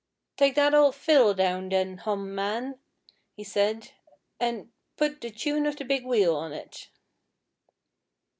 'Take that oul' fiddle down, then, Hom, man,' he said; 'an' put "The tune of the Big Wheel" on it.'